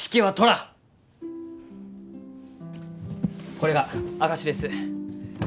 これが証しです。